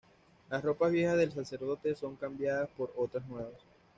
Las ropas viejas del sacerdote son cambiadas por otras nuevas.